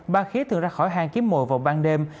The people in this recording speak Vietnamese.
ba khía thường ra khỏi hàng kiếm mồi vào ban đêm